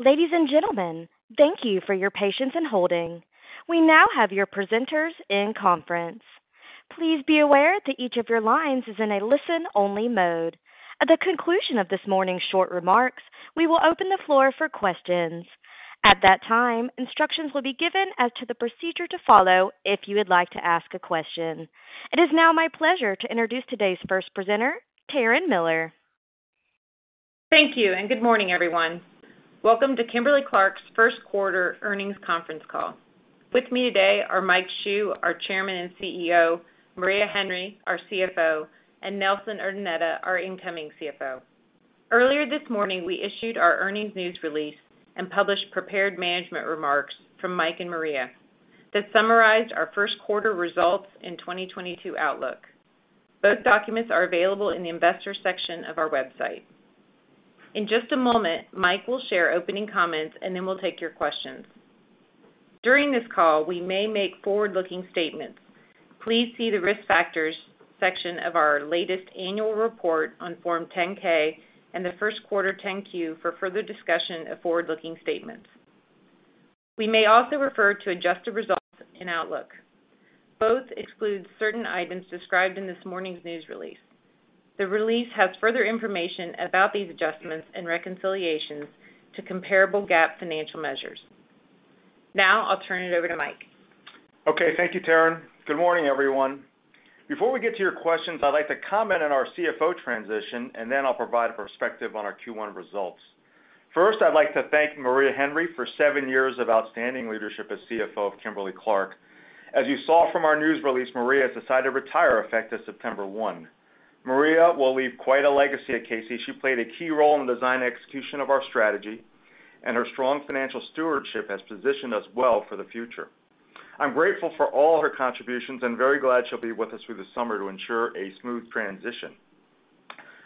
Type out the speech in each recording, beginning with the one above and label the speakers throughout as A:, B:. A: Ladies and gentlemen, thank you for your patience in holding. We now have your presenters in conference. Please be aware that each of your lines is in a listen-only mode. At the conclusion of this morning's short remarks, we will open the floor for questions. At that time, instructions will be given as to the procedure to follow if you would like to ask a question. It is now my pleasure to introduce today's first presenter, Taryn Miller.
B: Thank you, and good morning, everyone. Welcome to Kimberly-Clark's first quarter earnings conference call. With me today are Mike Hsu, our Chairman and CEO, Maria Henry, our CFO, and Nelson Urdaneta, our incoming CFO. Earlier this morning, we issued our earnings news release and published prepared management remarks from Mike and Maria that summarized our first quarter results and 2022 outlook. Both documents are available in the Investors section of our website. In just a moment, Mike will share opening comments, and then we'll take your questions. During this call, we may make forward-looking statements. Please see the Risk Factors section of our latest annual report on Form 10-K and the first quarter 10-Q for further discussion of forward-looking statements. We may also refer to adjusted results in outlook. Both exclude certain items described in this morning's news release. The release has further information about these adjustments and reconciliations to comparable GAAP financial measures. Now, I'll turn it over to Mike.
C: Okay. Thank you, Taryn. Good morning, everyone. Before we get to your questions, I'd like to comment on our CFO transition, and then I'll provide a perspective on our Q1 results. First, I'd like to thank Maria Henry for seven years of outstanding leadership as CFO of Kimberly-Clark. As you saw from our news release, Maria has decided to retire effective September 1. Maria will leave quite a legacy at K-C. She played a key role in the design and execution of our strategy, and her strong financial stewardship has positioned us well for the future. I'm grateful for all her contributions and very glad she'll be with us through the summer to ensure a smooth transition.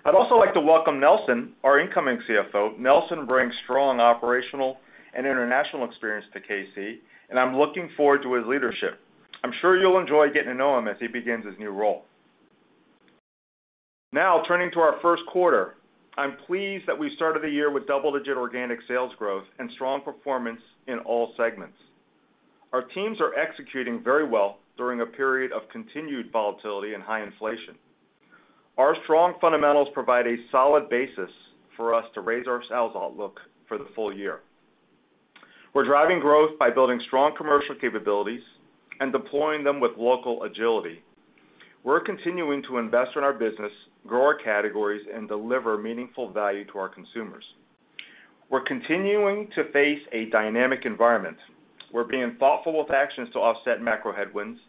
C: I'd also like to welcome Nelson, our incoming CFO. Nelson brings strong operational and international experience to K-C, and I'm looking forward to his leadership. I'm sure you'll enjoy getting to know him as he begins his new role. Now, turning to our first quarter. I'm pleased that we started the year with double-digit organic sales growth and strong performance in all segments. Our teams are executing very well during a period of continued volatility and high inflation. Our strong fundamentals provide a solid basis for us to raise our sales outlook for the full year. We're driving growth by building strong commercial capabilities and deploying them with local agility. We're continuing to invest in our business, grow our categories, and deliver meaningful value to our consumers. We're continuing to face a dynamic environment. We're being thoughtful with actions to offset macro headwinds,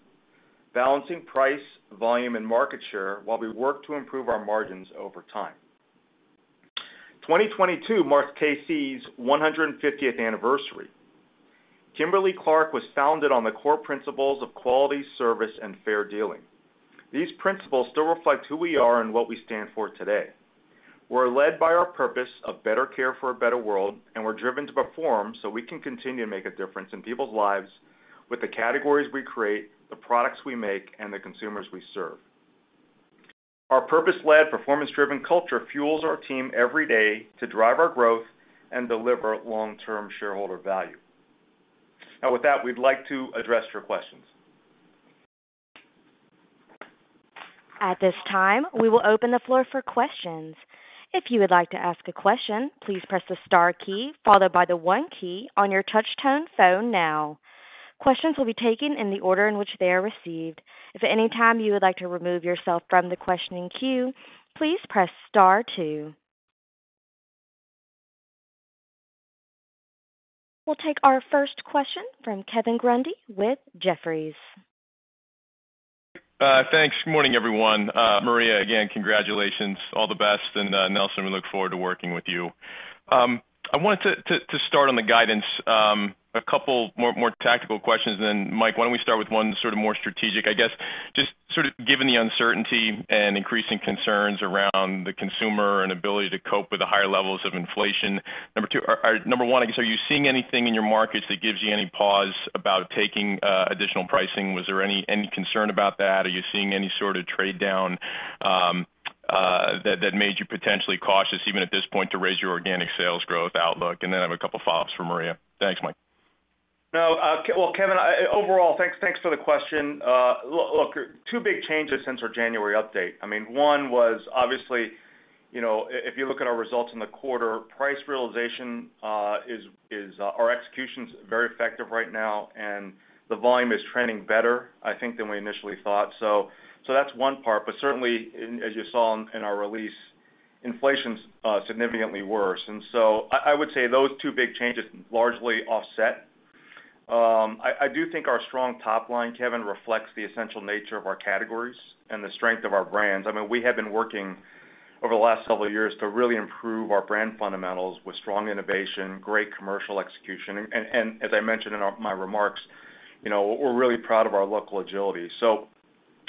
C: balancing price, volume, and market share while we work to improve our margins over time. 2022 marks K-C's 150th anniversary. Kimberly-Clark was founded on the core principles of quality, service, and fair dealing. These principles still reflect who we are and what we stand for today. We're led by our purpose of better care for a better world, and we're driven to perform so we can continue to make a difference in people's lives with the categories we create, the products we make, and the consumers we serve. Our purpose-led, performance-driven culture fuels our team every day to drive our growth and deliver long-term shareholder value. Now with that, we'd like to address your questions.
A: At this time, we will open the floor for questions. If you would like to ask a question, please press the star key followed by the one key on your touch-tone phone now. Questions will be taken in the order in which they are received. If at any time you would like to remove yourself from the questioning queue, please press star two. We'll take our first question from Kevin Grundy with Jefferies.
D: Thanks. Good morning, everyone. Maria, again, congratulations, all the best. Nelson, we look forward to working with you. I wanted to start on the guidance, a couple more tactical questions. Mike, why don't we start with one sort of more strategic, I guess. Just sort of given the uncertainty and increasing concerns around the consumer and ability to cope with the higher levels of inflation, number one, I guess, are you seeing anything in your markets that gives you any pause about taking additional pricing? Was there any concern about that? Are you seeing any sort of trade down that made you potentially cautious even at this point to raise your organic sales growth outlook? I have a couple follow-ups for Maria. Thanks, Mike.
C: Well, Kevin, overall, thanks for the question. Look, two big changes since our January update. I mean, one was obviously, you know, if you look at our results in the quarter, price realization is. Our execution's very effective right now, and the volume is trending better, I think, than we initially thought. That's one part. Certainly, as you saw in our release, inflation's significantly worse. I would say those two big changes largely offset. I do think our strong top line, Kevin, reflects the essential nature of our categories and the strength of our brands. I mean, we have been working over the last several years to really improve our brand fundamentals with strong innovation, great commercial execution, and as I mentioned in my remarks, you know, we're really proud of our local agility.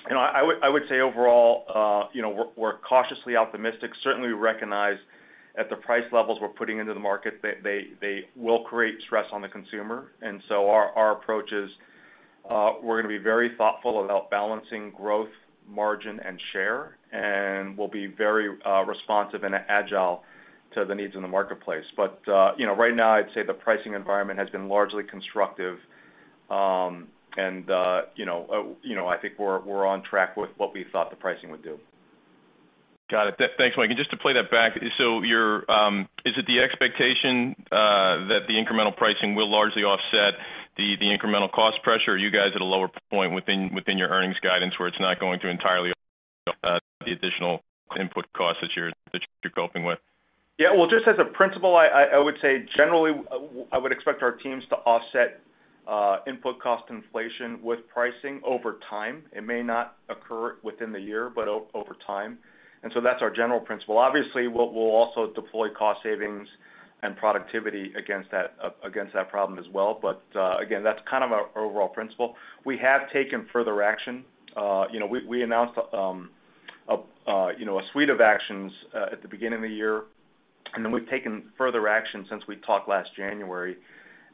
C: You know, I would say overall, you know, we're cautiously optimistic. Certainly, we recognize at the price levels we're putting into the market they will create stress on the consumer. Our approach is. We're gonna be very thoughtful about balancing growth, margin, and share, and we'll be very responsive and agile to the needs in the marketplace. You know, right now I'd say the pricing environment has been largely constructive. You know, I think we're on track with what we thought the pricing would do.
D: Got it. Thanks, Mike. Just to play that back, you're. Is it the expectation that the incremental pricing will largely offset the incremental cost pressure? Are you guys at a lower point within your earnings guidance where it's not going to entirely offset the additional input costs that you're coping with?
C: Well, just as a principle, I would say generally I would expect our teams to offset input cost inflation with pricing over time. It may not occur within the year, but over time. That's our general principle. Obviously, we'll also deploy cost savings and productivity against that against that problem as well. Again, that's kind of our overall principle. We have taken further action. You know, we announced you know, a suite of actions at the beginning of the year, and then we've taken further action since we talked last January.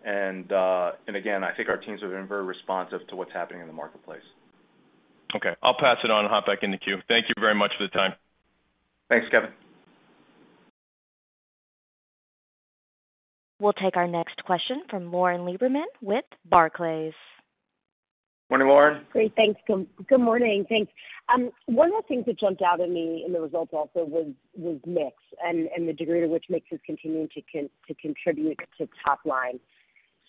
C: Again, I think our teams have been very responsive to what's happening in the marketplace.
D: Okay, I'll pass it on and hop back in the queue. Thank you very much for the time.
C: Thanks, Kevin.
A: We'll take our next question from Lauren Lieberman with Barclays.
C: Morning, Lauren.
E: Great. Thanks. Good morning. Thanks. One of the things that jumped out at me in the results also was mix and the degree to which mix is continuing to contribute to top line.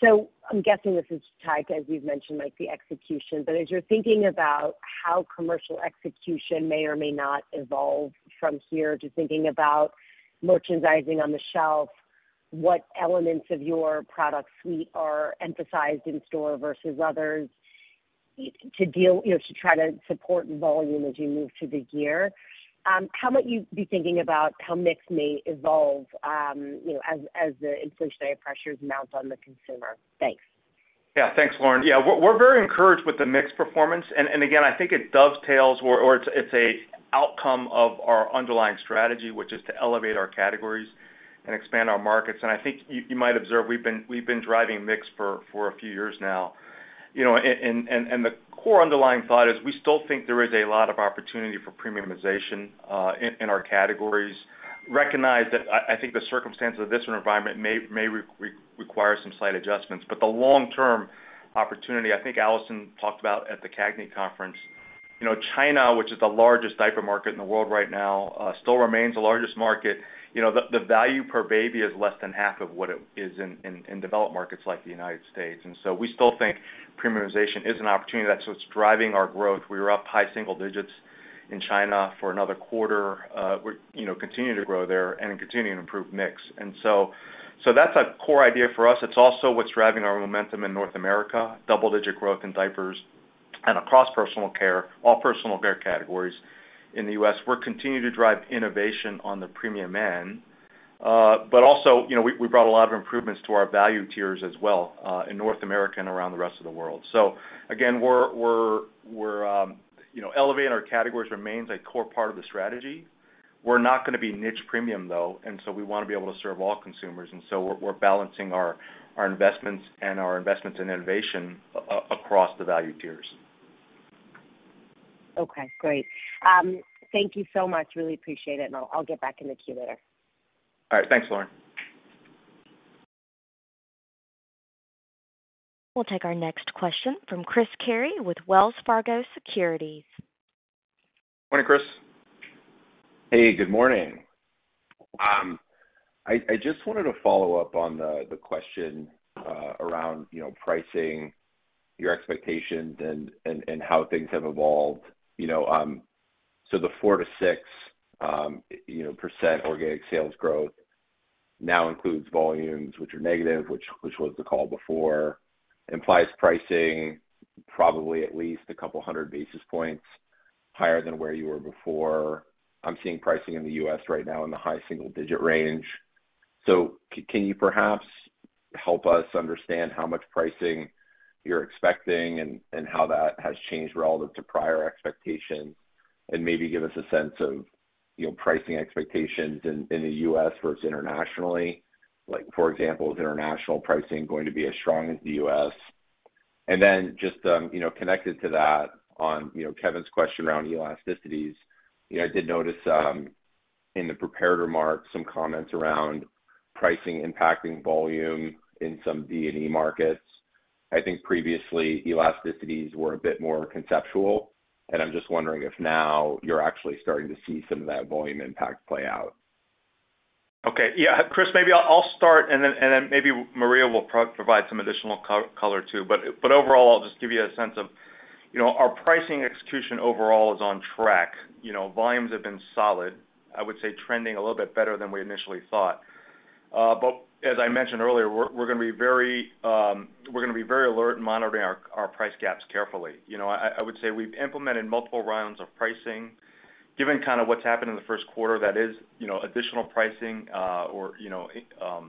E: I'm guessing this is tied, as you've mentioned, like the execution, but as you're thinking about how commercial execution may or may not evolve from here to thinking about merchandising on the shelf, what elements of your product suite are emphasized in store versus others to deal, you know, to try to support volume as you move through the year, how might you be thinking about how mix may evolve, you know, as the inflationary pressures mount on the consumer? Thanks.
C: Yeah. Thanks, Lauren. Yeah. We're very encouraged with the mix performance. Again, I think it dovetails or it's an outcome of our underlying strategy, which is to elevate our categories and expand our markets. I think you might observe, we've been driving mix for a few years now. You know, the core underlying thought is we still think there is a lot of opportunity for premiumization in our categories. I recognize that. I think the circumstances of this environment may require some slight adjustments. But the long-term opportunity, I think Alison talked about at the CAGNY conference, you know, China, which is the largest diaper market in the world right now, still remains the largest market. You know, the value per baby is less than half of what it is in developed markets like the United States. We still think premiumization is an opportunity. That's what's driving our growth. We were up high single digits in China for another quarter. We're, you know, continuing to grow there and continuing to improve mix. That's a core idea for us. It's also what's driving our momentum in North America, double-digit growth in diapers and across personal care, all personal care categories in the U.S. We're continuing to drive innovation on the premium end. Also, you know, we brought a lot of improvements to our value tiers as well, in North America and around the rest of the world. Again, we're, you know, elevating our categories remains a core part of the strategy. We're not gonna be niche premium though, and we wanna be able to serve all consumers. We're balancing our investments in innovation across the value tiers.
E: Okay, great. Thank you so much. Really appreciate it, and I'll get back in the queue later.
C: All right. Thanks, Lauren.
A: We'll take our next question from Chris Carey with Wells Fargo Securities.
C: Morning, Chris.
F: Hey, good morning. I just wanted to follow up on the question around, you know, pricing, your expectations and how things have evolved. You know, so the 4%-6% organic sales growth now includes volumes which are negative, which was the call before, implies pricing probably at least a couple hundred basis points higher than where you were before. I'm seeing pricing in the U.S. right now in the high single-digit range. So can you perhaps help us understand how much pricing you're expecting and how that has changed relative to prior expectations, and maybe give us a sense of, you know, pricing expectations in the U.S. versus internationally? Like for example, is international pricing going to be as strong as the U.S.? Just, you know, connected to that on, you know, Kevin's question around elasticities, you know, I did notice, in the prepared remarks some comments around pricing impacting volume in some D&E markets. I think previously elasticities were a bit more conceptual, and I'm just wondering if now you're actually starting to see some of that volume impact play out.
C: Okay. Yeah, Chris, maybe I'll start, and then maybe Maria will provide some additional color too. Overall, I'll just give you a sense of, you know, our pricing execution overall is on track. You know, volumes have been solid, I would say trending a little bit better than we initially thought. But as I mentioned earlier, we're gonna be very alert in monitoring our price gaps carefully. You know, I would say we've implemented multiple rounds of pricing. Given kind of what's happened in the first quarter, that is, you know, additional pricing or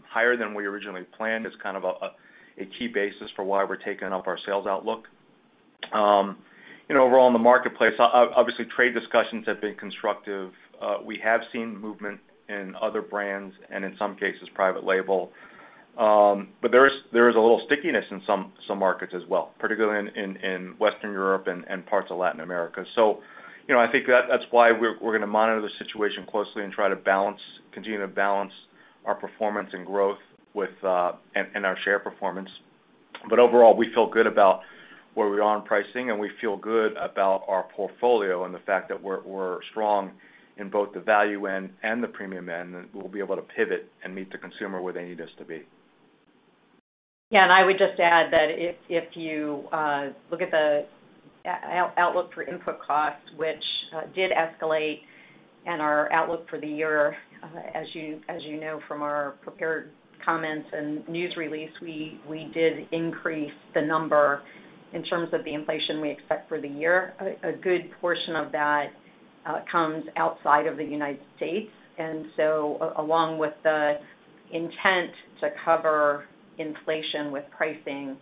C: higher than we originally planned is kind of a key basis for why we're taking up our sales outlook. You know, overall in the marketplace, obviously trade discussions have been constructive. We have seen movement in other brands and in some cases private label. There is a little stickiness in some markets as well, particularly in Western Europe and parts of Latin America. You know, I think that's why we're gonna monitor the situation closely and try to balance, continue to balance our performance and growth with and our share performance. Overall, we feel good about where we are on pricing, and we feel good about our portfolio and the fact that we're strong in both the value end and the premium end, and we'll be able to pivot and meet the consumer where they need us to be.
G: Yeah. I would just add that if you look at the outlook for input costs, which did escalate, and our outlook for the year, as you know from our prepared comments and news release, we did increase the number in terms of the inflation we expect for the year. A good portion of that comes outside of the United States. Along with the intent to cover inflation with pricing,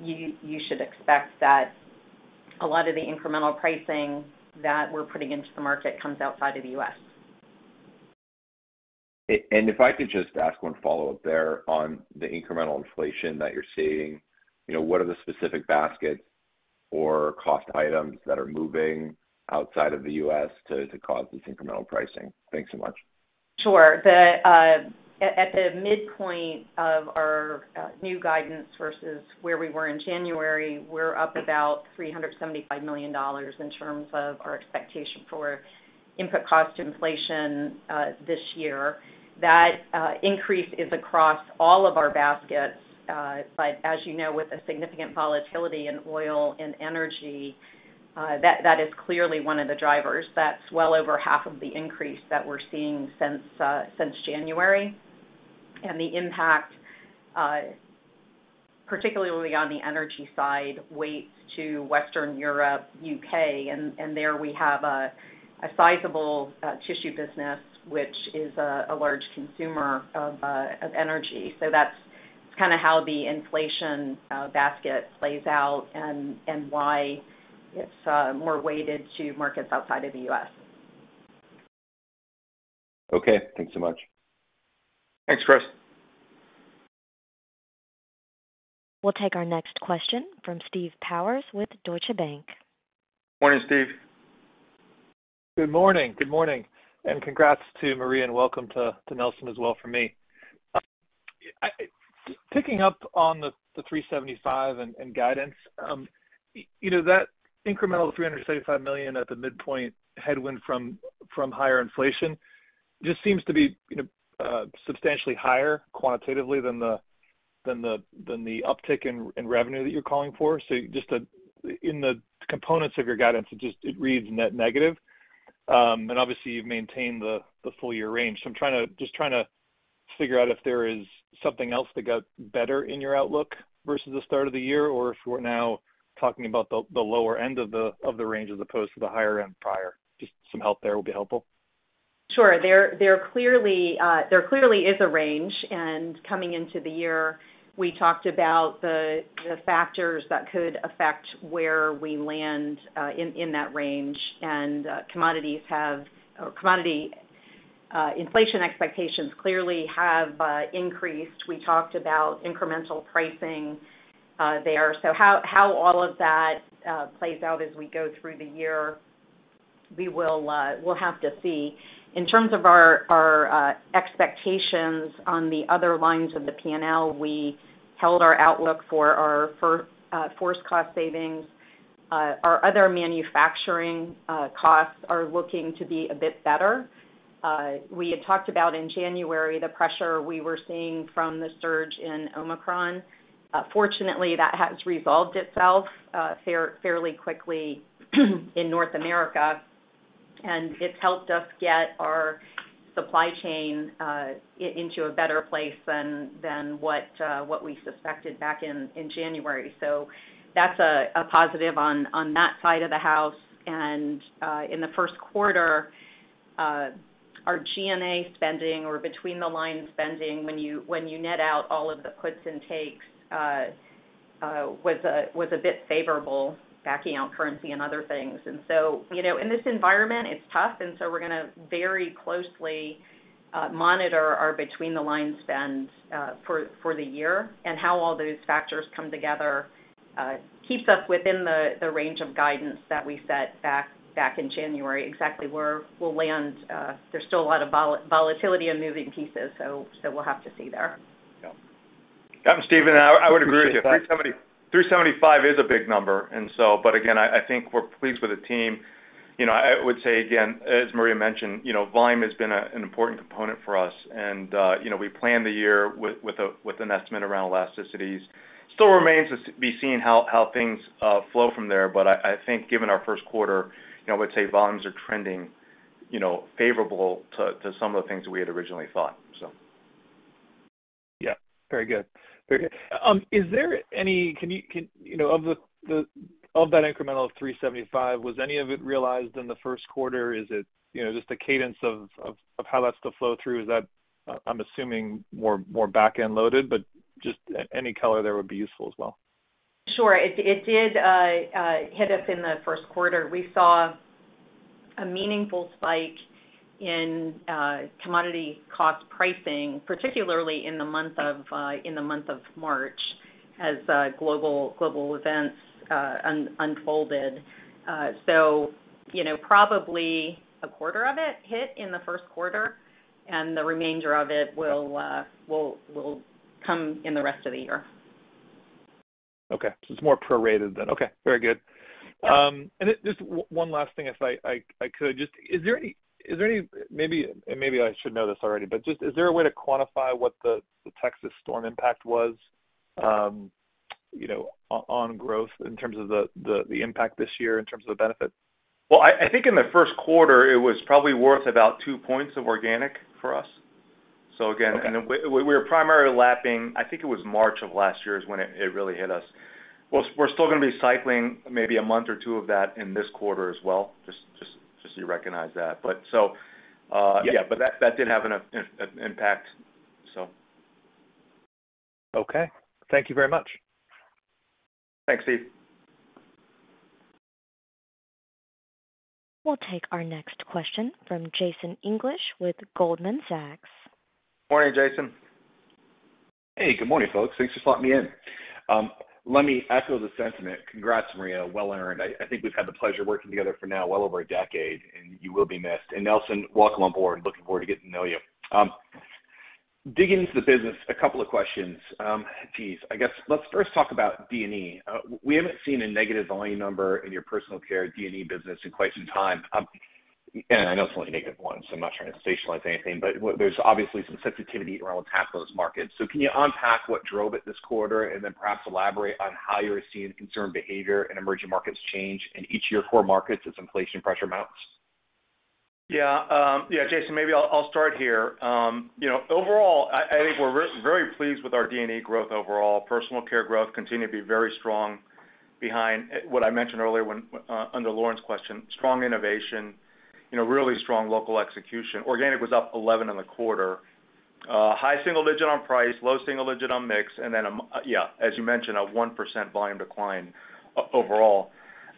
G: you should expect that a lot of the incremental pricing that we're putting into the market comes outside of the U.S.
F: If I could just ask one follow-up there on the incremental inflation that you're seeing, you know, what are the specific baskets or cost items that are moving outside of the U.S. to cause this incremental pricing? Thanks so much.
G: Sure. At the midpoint of our new guidance versus where we were in January, we're up about $375 million in terms of our expectation for input cost inflation this year. That increase is across all of our baskets. But as you know, with the significant volatility in oil and energy, that is clearly one of the drivers. That's well over half of the increase that we're seeing since January. The impact, particularly on the energy side, is weighted to Western Europe, U.K., and there we have a sizable tissue business, which is a large consumer of energy. That's kind of how the inflation basket plays out and why it's more weighted to markets outside of the U.S.
F: Okay. Thanks so much.
C: Thanks, Chris.
A: We'll take our next question from Steve Powers with Deutsche Bank.
C: Morning, Steve.
H: Good morning. Good morning, and congrats to Maria, and welcome to Nelson as well from me. Picking up on the $375 million and guidance, you know, that incremental $375 million at the midpoint headwind from higher inflation just seems to be, you know, substantially higher quantitatively than the uptick in revenue that you're calling for. Just in the components of your guidance, it just reads net negative. And obviously, you've maintained the full year range. I'm trying to figure out if there is something else that got better in your outlook versus the start of the year, or if we're now talking about the lower end of the range as opposed to the higher end prior. Some help there will be helpful.
G: Sure. There clearly is a range, and coming into the year, we talked about the factors that could affect where we land in that range. Commodity inflation expectations clearly have increased. We talked about incremental pricing there. How all of that plays out as we go through the year, we'll have to see. In terms of our expectations on the other lines of the P&L, we held our outlook for our FORCE cost savings. Our other manufacturing costs are looking to be a bit better. We had talked about in January the pressure we were seeing from the surge in Omicron. Fortunately, that has resolved itself fairly quickly in North America, and it's helped us get our supply chain into a better place than what we suspected back in January. That's a positive on that side of the house. In the first quarter, our G&A spending or between the line spending when you net out all of the puts and takes was a bit favorable backing out currency and other things. You know, in this environment, it's tough, and so we're gonna very closely monitor our between the line spends for the year and how all those factors come together, keeps us within the range of guidance that we set back in January, exactly where we'll land. There's still a lot of volatility and moving pieces, so we'll have to see there.
C: Yeah. Steve and I would agree with you. $375 million is a big number, but again, I think we're pleased with the team. You know, I would say, again, as Maria mentioned, you know, volume has been an important component for us. You know, we planned the year with an estimate around elasticities. It still remains to be seen how things flow from there. I think given our first quarter, you know, I would say volumes are trending, you know, favorable to some of the things we had originally thought.
H: Yeah. Very good. Very good. Can you know, of that incremental $375 million, was any of it realized in the first quarter? Is it, you know, just the cadence of how that's gonna flow through? Is that, I'm assuming more back-end loaded, but just any color there would be useful as well.
G: Sure. It did hit us in the first quarter. We saw a meaningful spike in commodity cost pricing, particularly in the month of March as global events unfolded. So, you know, probably a quarter of it hit in the first quarter, and the remainder of it will come in the rest of the year.
H: Okay. It's more prorated than. Okay, very good. It's just one last thing if I could. Maybe I should know this already, but just is there a way to quantify what the Texas storm impact was, you know, on growth in terms of the impact this year in terms of the benefit?
C: Well, I think in the first quarter it was probably worth about 2 points of organic for us again.
H: Okay.
C: We're primarily lapping. I think it was March of last year is when it really hit us. We're still gonna be cycling maybe a month or two of that in this quarter as well, just so you recognize that.
H: Yeah.
C: Yeah, but that did have an impact, so.
H: Okay. Thank you very much.
C: Thanks, Steve.
A: We'll take our next question from Jason English with Goldman Sachs.
C: Morning, Jason.
I: Hey, good morning, folks. Thanks for slotting me in. Let me echo the sentiment. Congrats, Maria, well earned. I think we've had the pleasure of working together for now well over a decade, and you will be missed. Nelson, welcome on board. Looking forward to getting to know you. Digging into the business, a couple of questions. Geez, I guess let's first talk about D&E. We haven't seen a negative volume number in your personal care D&E business in quite some time. I know it's only [negative points], so I'm not trying to sensationalize anything, but there's obviously some sensitivity around what's happened to those markets. Can you unpack what drove it this quarter, and then perhaps elaborate on how you're seeing consumer behavior in emerging markets change in each of your core markets as inflation pressure mounts?
C: Yeah. Yeah, Jason, maybe I'll start here. You know, overall, I think we're very pleased with our D&E growth overall. Personal care growth continued to be very strong behind what I mentioned earlier when under Lauren's question, strong innovation, you know, really strong local execution. Organic was up 11 in the quarter. High single digit on price, low single digit on mix, and then yeah, as you mentioned, a 1% volume decline overall.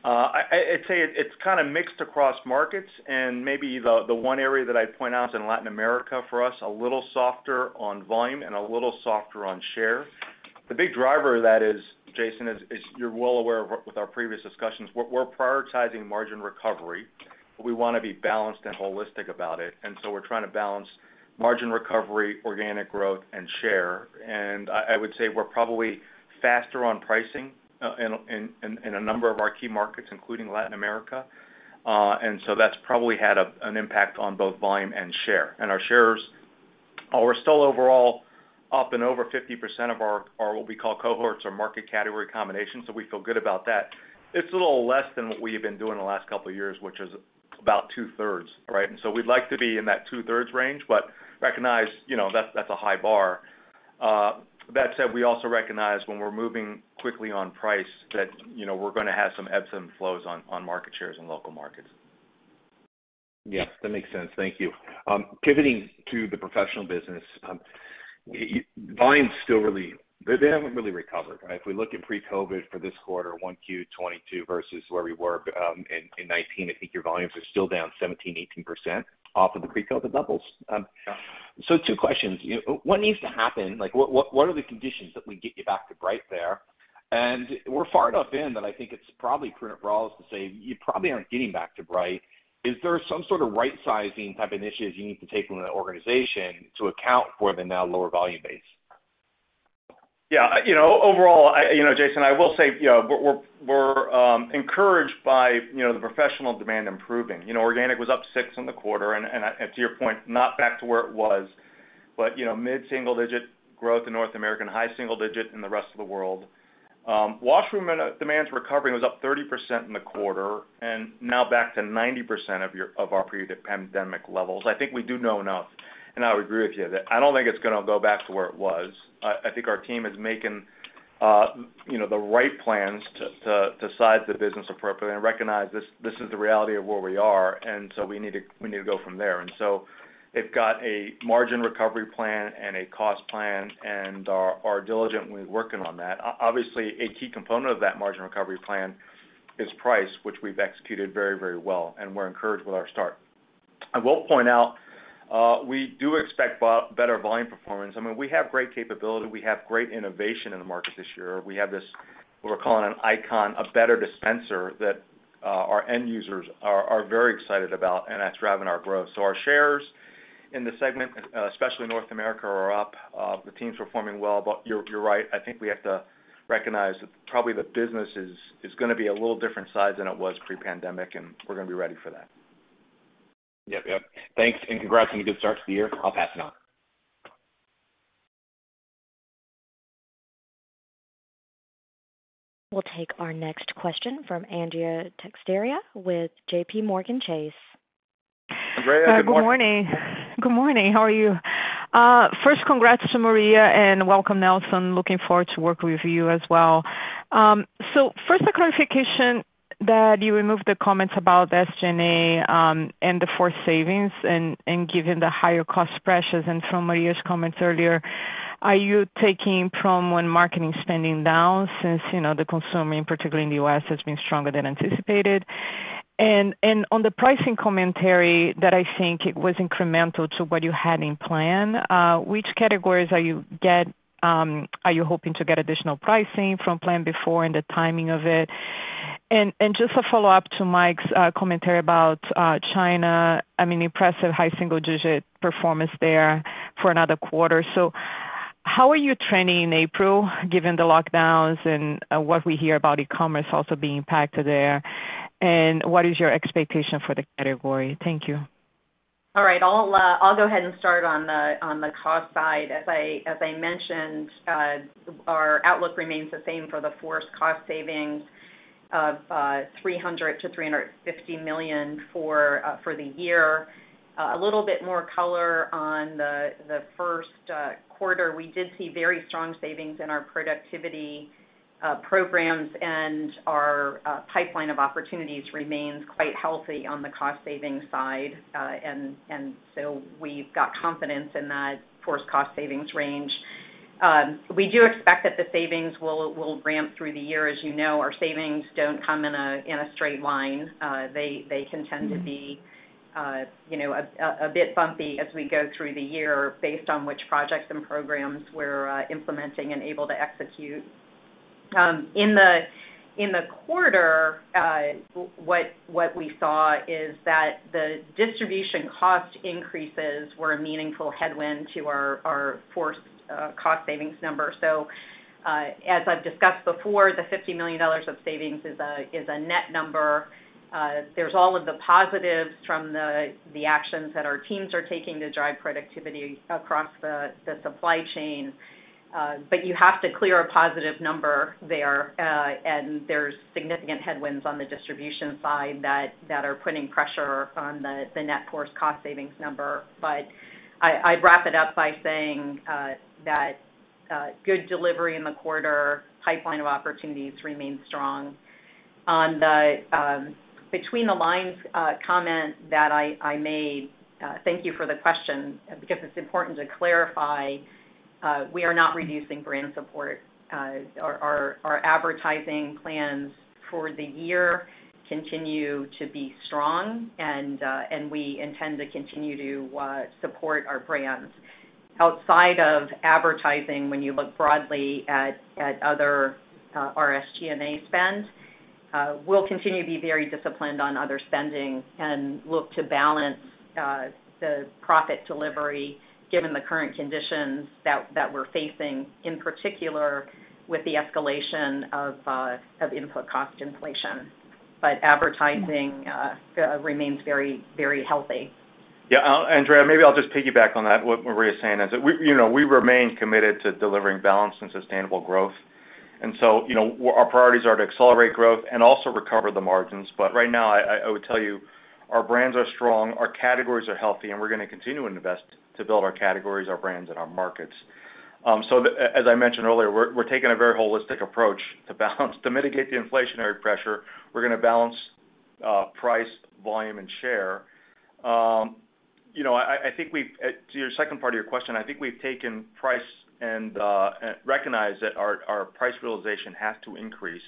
C: I'd say it's kinda mixed across markets, and maybe the one area that I'd point out is in Latin America for us, a little softer on volume and a little softer on share. The big driver of that is, Jason, as you're well aware with our previous discussions, we're prioritizing margin recovery. We wanna be balanced and holistic about it, and so we're trying to balance margin recovery, organic growth, and share. I would say we're probably faster on pricing in a number of our key markets, including Latin America. That's probably had an impact on both volume and share. Our shares are still overall up and over 50% of our what we call cohorts or market category combinations, so we feel good about that. It's a little less than what we have been doing the last couple years, which is about 2/3, right? We'd like to be in that two-thirds range, but recognize, you know, that's a high bar. That said, we also recognize when we're moving quickly on price that, you know, we're gonna have some ebbs and flows on market shares and local markets.
I: Yeah, that makes sense. Thank you. Pivoting to the professional business, your volumes still really haven't recovered, right? If we look at pre-COVID for this quarter, 1Q 2022 versus where we were in 2019, I think your volumes are still down 17%-18% off of the pre-COVID levels. So two questions. You know, what needs to happen? Like, what are the conditions that would get you back to bright there? We're far enough in that I think it's probably prudent for all of us to say you probably aren't getting back to bright. Is there some sort of right-sizing type initiatives you need to take from the organization to account for the now lower volume base?
C: Yeah. You know, overall, I. You know, Jason, I will say, you know, we're encouraged by, you know, the professional demand improving. You know, organic was up 6% in the quarter and to your point, not back to where it was, but, you know, mid-single-digit growth in North America and high single-digit in the rest of the world. Washroom demand's recovery was up 30% in the quarter and now back to 90% of our pre-pandemic levels. I think we do know enough, and I would agree with you that I don't think it's gonna go back to where it was. I think our team is making, you know, the right plans to size the business appropriately and recognize this is the reality of where we are, and so we need to go from there. They've got a margin recovery plan and a cost plan and are diligently working on that. Obviously, a key component of that margin recovery plan is price, which we've executed very, very well, and we're encouraged with our start. I will point out we do expect better volume performance. I mean, we have great capability. We have great innovation in the market this year. We have this, what we're calling an ICON, a better dispenser that our end users are very excited about, and that's driving our growth. Our shares in the segment, especially North America, are up. The team's performing well. You're right. I think we have to recognize that probably the business is gonna be a little different size than it was pre-pandemic, and we're gonna be ready for that.
I: Yep. Thanks, and congrats on your good start to the year. I'll pass it on.
A: We'll take our next question from Andrea Teixeira with JPMorgan Chase.
C: Andrea, Good morning.
J: Good morning. How are you? First congrats to Maria and welcome, Nelson. Looking forward to working with you as well. First a clarification that you removed the comments about the SG&A and the FORCE savings and given the higher cost pressures and from Maria's comments earlier. Are you taking marketing spending down since, you know, the consumer, in particular in the U.S., has been stronger than anticipated? On the pricing commentary that I think it was incremental to what you had in plan, which categories are you hoping to get additional pricing from plan before and the timing of it? Just a follow-up to Mike's commentary about China, I mean, impressive high single-digit performance there for another quarter. How are you trending in April given the lockdowns and what we hear about e-commerce also being impacted there? What is your expectation for the category? Thank you.
G: All right. I'll go ahead and start on the cost side. As I mentioned, our outlook remains the same for the FORCE cost savings of $300 million-$350 million for the year. A little bit more color on the first quarter. We did see very strong savings in our productivity programs, and our pipeline of opportunities remains quite healthy on the cost savings side. And so we've got confidence in that FORCE cost savings range. We do expect that the savings will ramp through the year. As you know, our savings don't come in a straight line. They can tend to be, you know, a bit bumpy as we go through the year based on which projects and programs we're implementing and able to execute. In the quarter, what we saw is that the distribution cost increases were a meaningful headwind to our FORCE cost savings number. As I've discussed before, the $50 million of savings is a net number. There's all of the positives from the actions that our teams are taking to drive productivity across the supply chain, but you have to clear a positive number there. There's significant headwinds on the distribution side that are putting pressure on the net FORCE cost savings number. I'd wrap it up by saying that good delivery in the quarter, pipeline of opportunities remains strong. On the between-the-lines comment that I made, thank you for the question because it's important to clarify. We are not reducing brand support. Our advertising plans for the year continue to be strong and we intend to continue to support our brands. Outside of advertising, when you look broadly at other SG&A spend, we'll continue to be very disciplined on other spending and look to balance the profit delivery given the current conditions that we're facing, in particular with the escalation of input cost inflation. Advertising remains very, very healthy.
C: Yeah, I'll, Andrea, maybe I'll just piggyback on that. What Maria is saying is that we, you know, we remain committed to delivering balanced and sustainable growth. You know, our priorities are to accelerate growth and also recover the margins. Right now, I would tell you our brands are strong, our categories are healthy, and we're gonna continue to invest to build our categories, our brands and our markets. As I mentioned earlier, we're taking a very holistic approach to mitigate the inflationary pressure. We're gonna balance price, volume and share. You know, to your second part of your question, I think we've taken price and recognized that our price realization has to increase.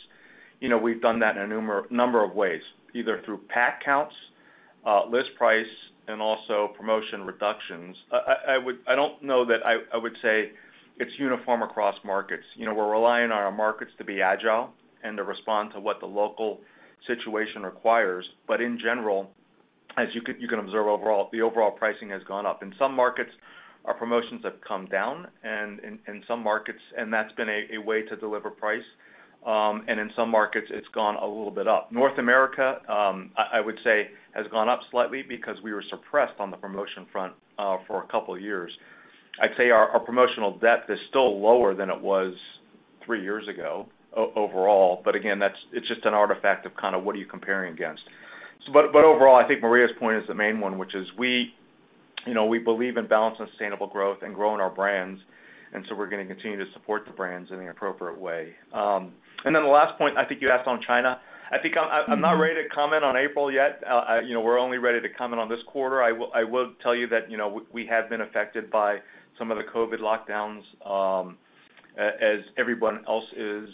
C: You know, we've done that in a number of ways, either through pack counts, list price and also promotion reductions. I don't know that I would say it's uniform across markets. You know, we're relying on our markets to be agile and to respond to what the local situation requires. In general, you can observe overall, the overall pricing has gone up. In some markets, our promotions have come down, and in some markets and that's been a way to deliver price. In some markets, it's gone a little bit up. North America, I would say has gone up slightly because we were suppressed on the promotion front for a couple of years. I'd say our promotional depth is still lower than it was three years ago overall, but again, that's just an artifact of kind of what are you comparing against. Overall, I think Maria's point is the main one, which is we, you know, we believe in balanced and sustainable growth and growing our brands, and so we're gonna continue to support the brands in an appropriate way. Then the last point, I think you asked on China. I think I'm not ready to comment on April yet. You know, we're only ready to comment on this quarter. I will tell you that, you know, we have been affected by some of the COVID lockdowns as everyone else is.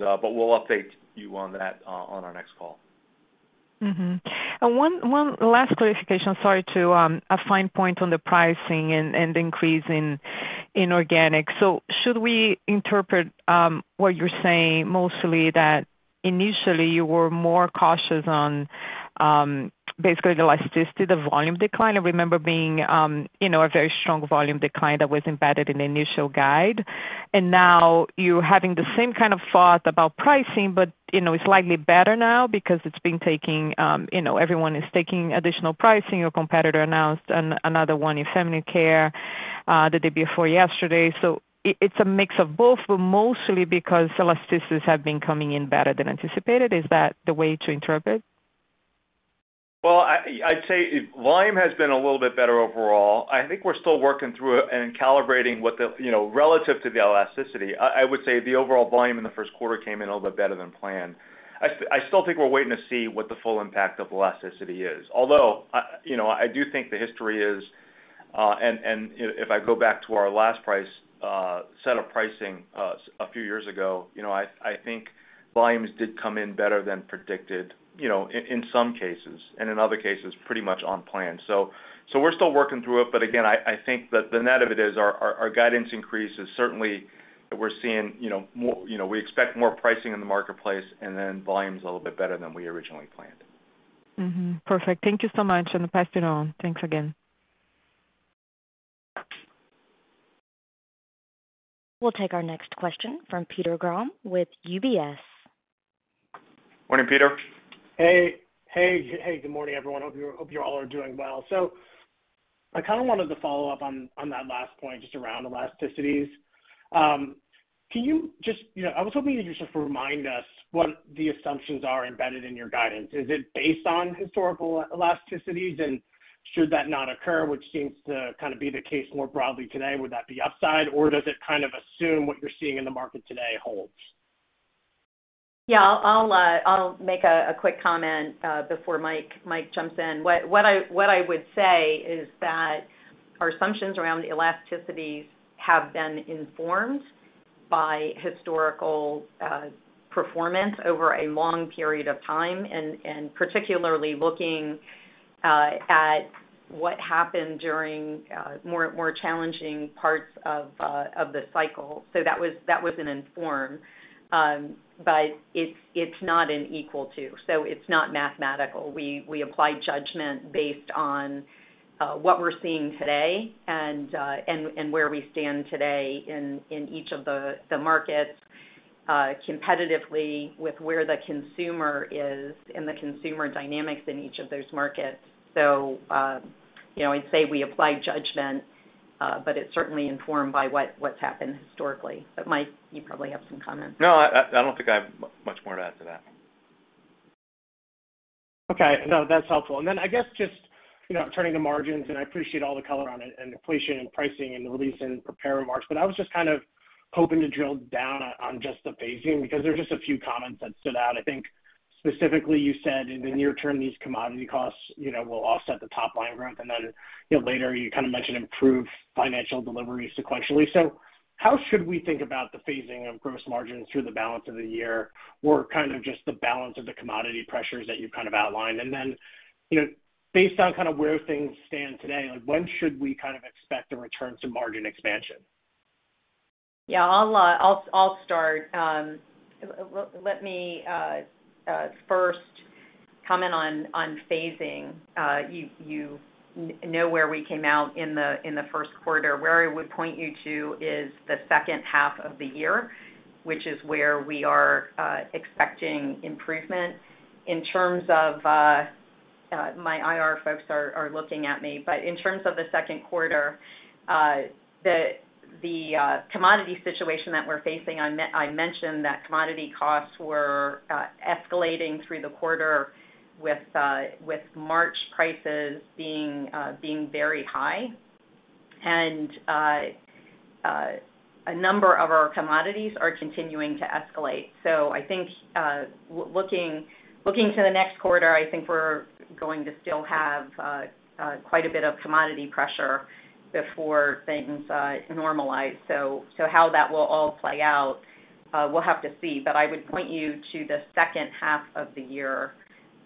C: We'll update you on that on our next call.
J: Mm-hmm. One last clarification, sorry, to a fine point on the pricing and increase in organic. Should we interpret what you're saying mostly that initially you were more cautious on basically the elasticity of volume decline? I remember being you know a very strong volume decline that was embedded in the initial guide. Now you're having the same kind of thought about pricing but you know it's slightly better now because it's been taking you know everyone is taking additional pricing. Your competitor announced another one in feminine care the day before yesterday. It's a mix of both, but mostly because elasticities have been coming in better than anticipated. Is that the way to interpret?
C: Well, I'd say volume has been a little bit better overall. I think we're still working through and calibrating what the, you know, relative to the elasticity. I would say the overall volume in the first quarter came in a little bit better than planned. I still think we're waiting to see what the full impact of elasticity is. Although, you know, I do think the history is, and if I go back to our last price set of pricing a few years ago, you know, I think volumes did come in better than predicted, you know, in some cases, and in other cases, pretty much on plan. We're still working through it, but again, I think that the net of it is our guidance increase is certainly that we're seeing, you know, more, you know, we expect more pricing in the marketplace and then volumes a little bit better than we originally planned.
J: Perfect. Thank you so much, and pass it on. Thanks again.
A: We'll take our next question from Peter Grom with UBS.
C: Morning, Peter.
K: Hey. Hey, hey, good morning, everyone. Hope you all are doing well. I kinda wanted to follow up on that last point just around elasticities. Can you just, you know, I was hoping you could just remind us what the assumptions are embedded in your guidance. Is it based on historical elasticities? Should that not occur, which seems to kinda be the case more broadly today, would that be upside, or does it kind of assume what you're seeing in the market today holds?
G: Yeah. I'll make a quick comment before Mike jumps in. What I would say is that our assumptions around the elasticities have been informed by historical performance over a long period of time and particularly looking at what happened during more challenging parts of the cycle. That was an [inform], but it's not equal to, so it's not mathematical. We apply judgment based on what we're seeing today and where we stand today in each of the markets competitively with where the consumer is and the consumer dynamics in each of those markets. You know, I'd say we apply judgment, but it's certainly informed by what's happened historically. Mike, you probably have some comments.
C: No, I don't think I have much more to add to that.
K: Okay. No, that's helpful. I guess just, you know, turning to margins, and I appreciate all the color on it and competition and pricing and the release and prepared remarks, but I was just kind of hoping to drill down on just the phasing because there are just a few comments that stood out. I think specifically, you said in the near term, these commodity costs, you know, will offset the top line growth, and then, you know, later you kinda mentioned improved financial delivery sequentially. How should we think about the phasing of gross margins through the balance of the year or kind of just the balance of the commodity pressures that you've kind of outlined? You know, based on kind of where things stand today, like, when should we kind of expect a return to margin expansion?
G: Yeah. I'll start. Let me first comment on phasing. You know where we came out in the first quarter. Where I would point you to is the second half of the year, which is where we are expecting improvement. In terms of, my IR folks are looking at me, but in terms of the second quarter, the commodity situation that we're facing, I mentioned that commodity costs were escalating through the quarter with March prices being very high. A number of our commodities are continuing to escalate. I think looking to the next quarter, I think we're going to still have quite a bit of commodity pressure before things normalize. How that will all play out, we'll have to see. I would point you to the second half of the year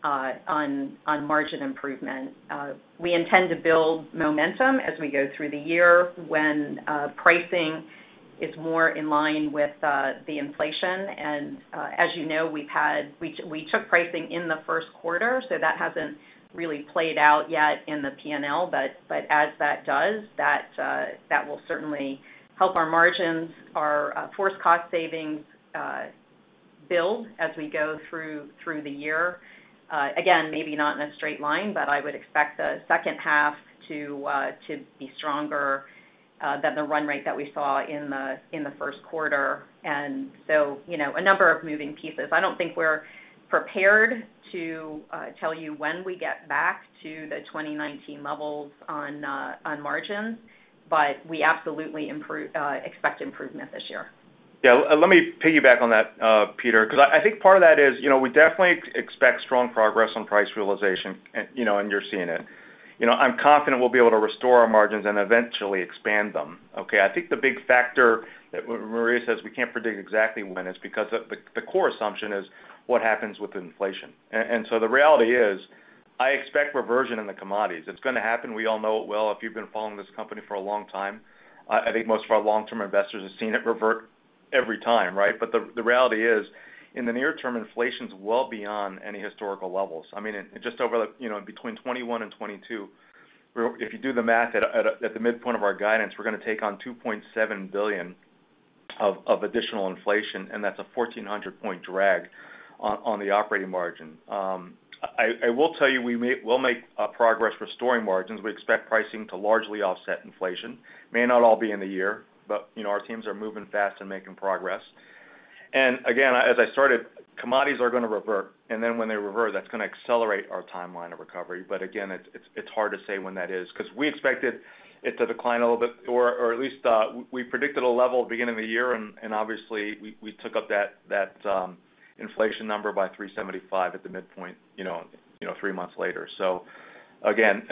G: on margin improvement. We intend to build momentum as we go through the year when pricing is more in line with the inflation. As you know, we took pricing in the first quarter, so that hasn't really played out yet in the P&L. As that does, that will certainly help our margins, our FORCE cost savings build as we go through the year. Again, maybe not in a straight line, but I would expect the second half to be stronger than the run rate that we saw in the first quarter. You know, a number of moving pieces. I don't think we're prepared to tell you when we get back to the 2019 levels on margins, but we absolutely expect improvement this year.
C: Yeah. Let me piggyback on that, Peter, 'cause I think part of that is, you know, we definitely expect strong progress on price realization, and, you know, and you're seeing it. You know, I'm confident we'll be able to restore our margins and eventually expand them, okay? I think the big factor that when Maria says we can't predict exactly when is because the core assumption is what happens with inflation. And so the reality is, I expect reversion in the commodities. It's gonna happen. We all know it well. If you've been following this company for a long time, I think most of our long-term investors have seen it revert every time, right? But the reality is, in the near term, inflation's well beyond any historical levels. I mean, it's just over the, you know, between 2021 and 2022, if you do the math at the midpoint of our guidance, we're gonna take on $2.7 billion of additional inflation, and that's a 1,400-point drag on the operating margin. I will tell you, we'll make progress restoring margins. We expect pricing to largely offset inflation. It may not all be in the year, but, you know, our teams are moving fast and making progress. Again, as I started, commodities are gonna revert, and then when they revert, that's gonna accelerate our timeline of recovery. It's hard to say when that is 'cause we expected it to decline a little bit, or at least we predicted a level at the beginning of the year, and obviously we took up that inflation number by $375 million at the midpoint, you know, three months later. Again,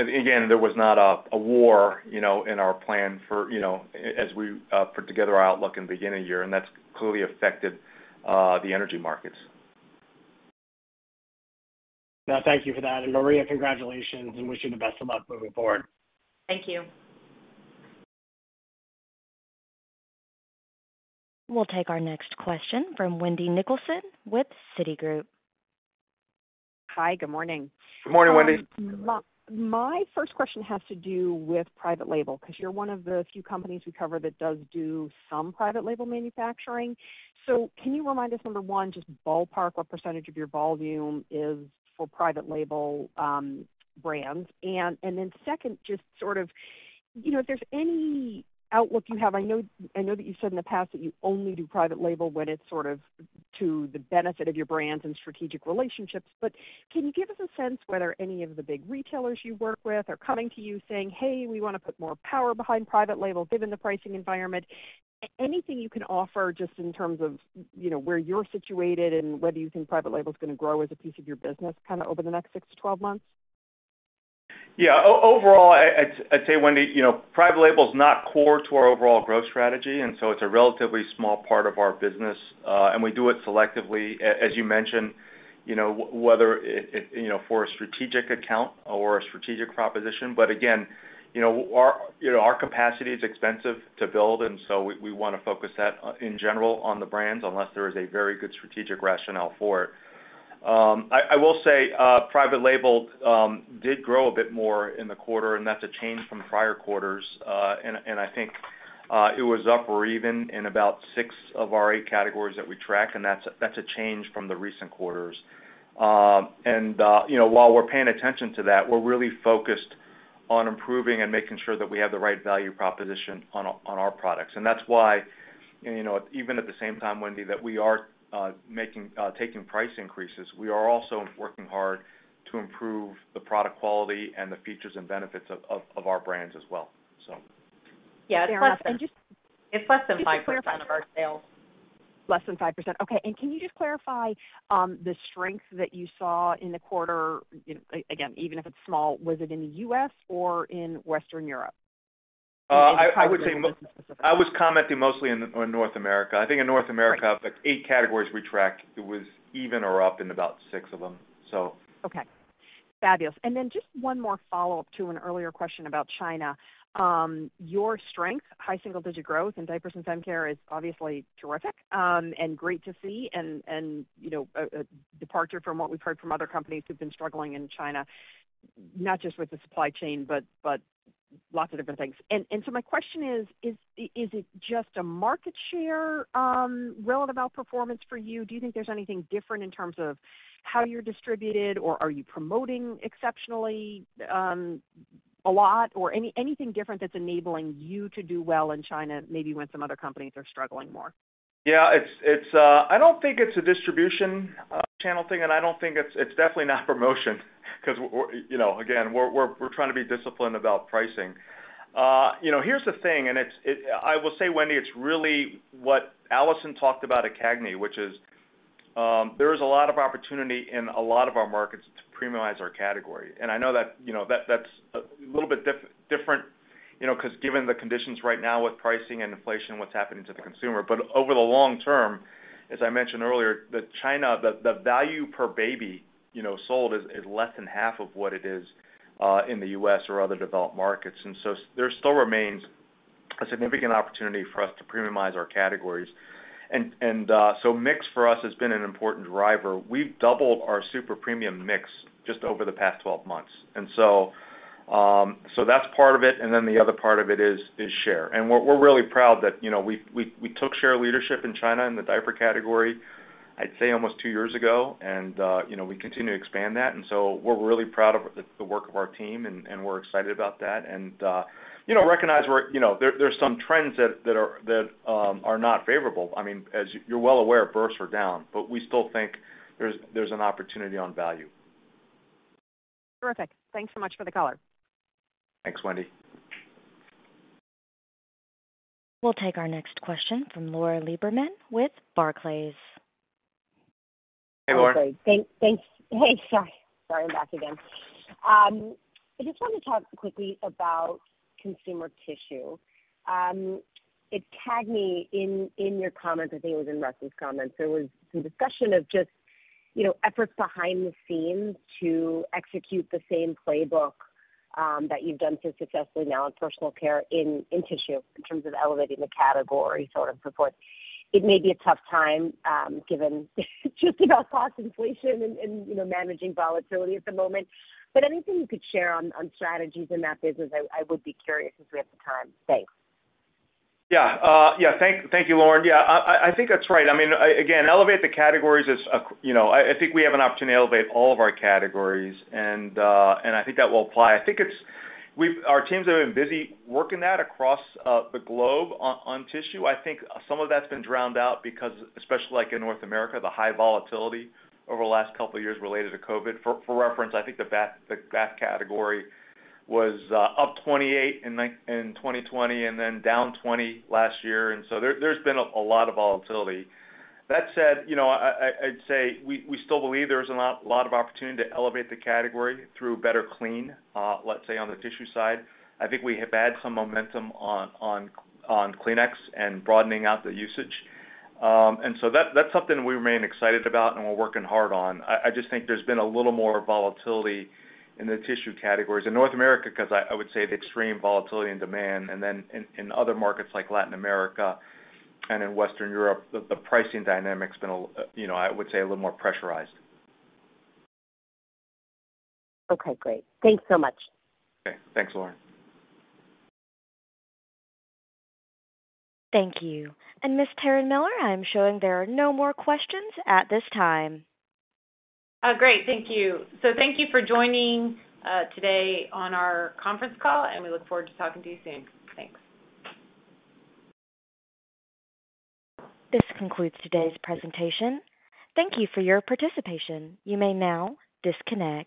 C: there was not a war, you know, in our plan for, you know, as we put together our outlook in the beginning of the year, and that's clearly affected the energy markets.
K: No, thank you for that. Maria, congratulations, and wish you the best of luck moving forward.
G: Thank you.
A: We'll take our next question from Wendy Nicholson with Citigroup.
L: Hi, good morning.
C: Good morning, Wendy.
L: My first question has to do with private label, 'cause you're one of the few companies we cover that does do some private label manufacturing. Can you remind us, number one, just ballpark what percentage of your volume is for private label brands? And then second, just sort of, you know, if there's any outlook you have. I know that you've said in the past that you only do private label when it's sort of to the benefit of your brands and strategic relationships, but can you give us a sense whether any of the big retailers you work with are coming to you saying, "Hey, we wanna put more power behind private label given the pricing environment." Anything you can offer just in terms of, you know, where you're situated and whether you think private label's gonna grow as a piece of your business kinda over the next six to 12 months?
C: Yeah. Overall, I'd say, Wendy, you know, private label's not core to our overall growth strategy, and so it's a relatively small part of our business. We do it selectively, as you mentioned, you know, whether it you know for a strategic account or a strategic proposition. Again, you know, our capacity is expensive to build, and so we wanna focus that in general on the brands, unless there is a very good strategic rationale for it. I will say, private label did grow a bit more in the quarter, and that's a change from prior quarters. I think it was up or even in about six of our eight categories that we track, and that's a change from the recent quarters. You know, while we're paying attention to that, we're really focused on improving and making sure that we have the right value proposition on our products. That's why, and you know, even at the same time, Wendy, that we are taking price increases, we are also working hard to improve the product quality and the features and benefits of our brands as well, so.
G: Yeah, it's less than 5% of our sales.
L: Fair enough. Less than 5%. Okay. Can you just clarify the strength that you saw in the quarter, you know, again, even if it's small. Was it in the U.S. or in Western Europe?
C: I was commenting mostly on North America. I think in North America.
L: Great
C: the 8 categories we track, it was even or up in about six of them, so.
L: Okay. Fabulous. Then just one more follow-up to an earlier question about China. Your strength, high single-digit growth in diapers and fem care is obviously terrific, and great to see and, you know, a departure from what we've heard from other companies who've been struggling in China, not just with the supply chain, but lots of different things. My question is it just a market share relative outperformance for you? Do you think there's anything different in terms of how you're distributed, or are you promoting exceptionally a lot or anything different that's enabling you to do well in China, maybe when some other companies are struggling more?
C: Yeah, I don't think it's a distribution channel thing, and I don't think it's. It's definitely not promotion 'cause we're, you know, again, we're trying to be disciplined about pricing. You know, here's the thing, and it. I will say, Wendy, it's really what Alison talked about at CAGNY, which is there is a lot of opportunity in a lot of our markets to premiumize our category. And I know that, you know, that that's a little bit different, you know, 'cause given the conditions right now with pricing and inflation, what's happening to the consumer. But over the long term, as I mentioned earlier, in China, the value per baby, you know, sold is less than half of what it is in the U.S. or other developed markets. There still remains a significant opportunity for us to premiumize our categories. Mix for us has been an important driver. We've doubled our super premium mix just over the past 12 months. That's part of it, and then the other part of it is share. We're really proud that, you know, we took share leadership in China in the diaper category, I'd say almost two years ago. We continue to expand that. We're really proud of the work of our team and we're excited about that. You know, we recognize we're there. There's some trends that are not favorable. I mean, as you're well aware, births are down, but we still think there's an opportunity on value.
L: Terrific. Thanks so much for the color.
C: Thanks, Wendy.
A: We'll take our next question from Lauren Lieberman with Barclays.
C: Hey, Lauren.
G: Lauren.
E: Thanks. Hey, sorry. I'm back again. I just wanted to talk quickly about consumer tissue. At CAGNY in your comments, I think it was in Russ' comments, there was some discussion of just, you know, efforts behind the scenes to execute the same playbook that you've done so successfully now in personal care in tissue in terms of elevating the category sort of support. It may be a tough time, given just about cost inflation and, you know, managing volatility at the moment, but anything you could share on strategies in that business, I would be curious if we have the time. Thanks.
C: Yeah. Yeah. Thank you, Lauren. Yeah. I think that's right. I mean, again, elevate the categories is a. You know, I think we have an opportunity to elevate all of our categories, and I think that will apply. I think it's. Our teams have been busy working that across the globe on tissue. I think some of that's been drowned out because, especially like in North America, the high volatility over the last couple of years related to COVID. For reference, I think the bath category was up 28% in 2020, and then down 20% last year, and so there's been a lot of volatility. That said, you know, I'd say we still believe there is a lot of opportunity to elevate the category through better cleaning, let's say on the tissue side. I think we have had some momentum on Kleenex and broadening out the usage. That's something we remain excited about and we're working hard on. I just think there's been a little more volatility in the tissue categories in North America, 'cause I would say the extreme volatility in demand, and then in other markets like Latin America and in Western Europe, the pricing dynamic's been, you know, I would say a little more pressurized.
E: Okay. Great. Thanks so much.
C: Okay. Thanks, Lauren.
A: Thank you. Ms. Taryn Miller, I'm showing there are no more questions at this time.
B: Oh, great. Thank you. Thank you for joining today on our conference call, and we look forward to talking to you soon. Thanks.
A: This concludes today's presentation. Thank you for your participation. You may now disconnect.